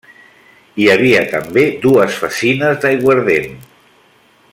Hi havia també dues fassines d'aiguardent.